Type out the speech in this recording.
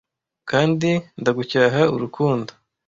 kandi ndagucyaha urukundo